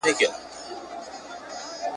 دولتمند که ډېر لیري وي خلک یې خپل ګڼي ,